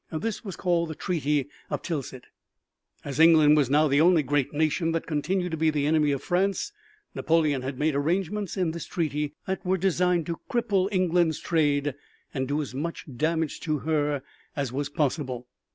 This was called the Treaty of Tilsit. As England was now the only great nation that continued to be the enemy of France, Napoleon had made arrangements in this treaty that were designed to cripple England's trade and do as much damage to her as was possible.